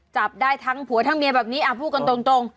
จับได้ทั้งผัวทั้งเมียแบบนี้พูดกันตรง